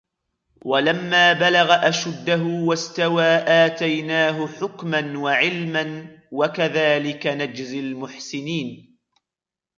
وَلَمَّا بَلَغَ أَشُدَّهُ وَاسْتَوَى آتَيْنَاهُ حُكْمًا وَعِلْمًا وَكَذَلِكَ نَجْزِي الْمُحْسِنِينَ